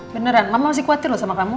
beneran mama masih khawatir loh sama kamu